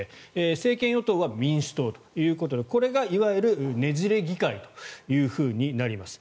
政権与党は民主党ということでこれがいわゆる、ねじれ議会というふうになります。